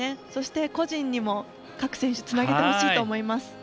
そして個人にも各選手つなげてほしいと思います。